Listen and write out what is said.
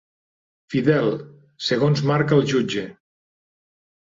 Fidel, segons marca el jutge.